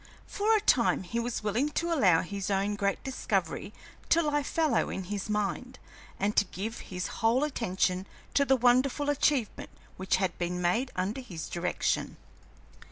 For a time he was willing to allow his own great discovery to lie fallow in his mind, and to give his whole attention to the wonderful achievement which had been made under his direction.